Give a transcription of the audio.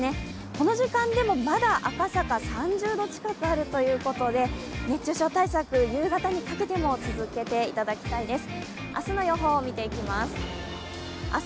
この時間でもまだ赤坂、３０度近くあるということで、熱中症対策、夕方にかけても続けていただきたいです。